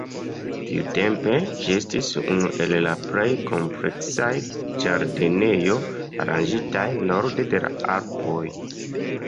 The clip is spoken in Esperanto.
Tiutempe, ĝi estis unu el la plej kompleksaj ĝardenoj aranĝitaj norde de la Alpoj.